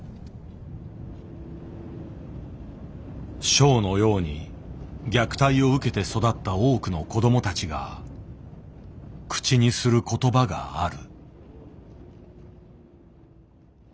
ショウのように虐待を受けて育った多くの子どもたちが口にする言葉がある。